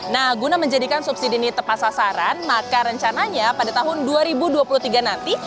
nah guna menjadikan subsidi ini tepat sasaran maka rencananya pada tahun dua ribu dua puluh tiga nanti